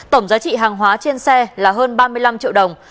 tổng giá trị hàng hóa trên xe là hơn ba mươi năm triệu đồng